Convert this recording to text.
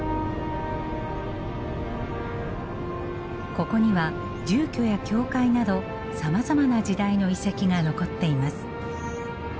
ここには住居や教会などさまざまな時代の遺跡が残っています。